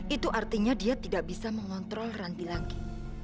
itu artinya dia tidak bisa mengontrol ranti lagi